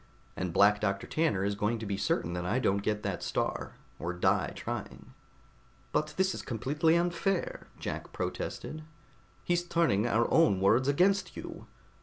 And Black Doctor Tanner is going to be certain that I don't get that Star, or die trying." "But this is completely unfair," Jack protested. "He's turning our own words against you!